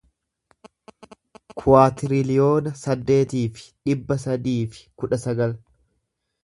kuwaatiriliyoona saddeetii fi dhibba sadii fi kudha sagal